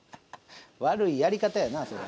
悪いやり方やなそれ。